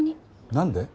「何で」？